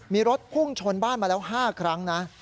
มีรถพุ่งชนบ้านมาแล้ว๕ครั้งนะ